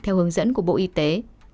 theo hướng dẫn của bộ y tế